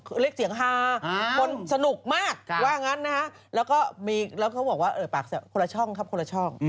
เรียกเสียงฮาคนสนุกมากว่างั้นนะฮะแล้วก็บอกว่าคนละช่องครับคนละช่อง